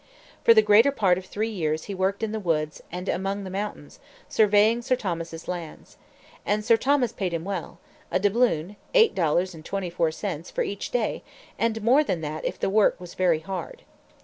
For the greater part of three years he worked in the woods and among the mountains, surveying Sir Thomas's lands. And Sir Thomas paid him well a doubloon ($8.24) for each day, and more than that if the work was very hard.